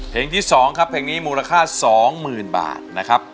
เพลงที่๒ครับเพลงนี้มูลค่า๒๐๐๐บาทนะครับ